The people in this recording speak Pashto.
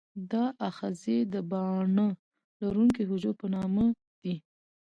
دا آخذې د باڼه لرونکي حجرو په نامه دي.